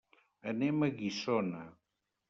Anem a Guissona.